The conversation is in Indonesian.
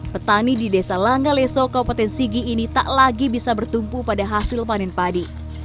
petani di desa langaleso kabupaten sigi ini tak lagi bisa bertumpu pada hasil panen padi